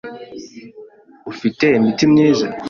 Ufite imiti myiza?